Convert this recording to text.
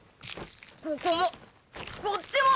ここもこっちも！